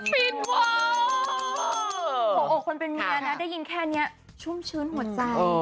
ว้าวหัวอกคนเป็นเมียนะได้ยินแค่นี้ชุ่มชื้นหัวใจ